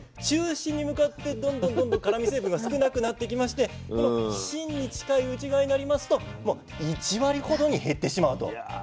中心に向かってどんどんどんどん辛み成分が少なくなってきましてこの芯に近い内側になりますともう１割ほどに減ってしまうと。